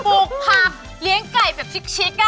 ปลูกพับเลี้ยงไก่แบบชิคอะ